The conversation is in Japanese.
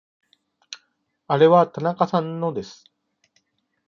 あれは田中さんのです。